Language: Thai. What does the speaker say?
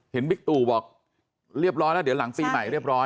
บิ๊กตู่บอกเรียบร้อยแล้วเดี๋ยวหลังปีใหม่เรียบร้อย